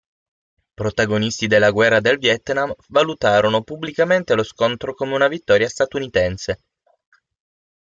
Protagonisti della guerra del Vietnam, valutarono pubblicamente lo scontro come una vittoria statunitense.